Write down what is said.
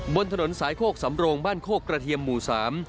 บนถนนสายโคกสำโรงบ้านโคกกระเทียมหมู่สาม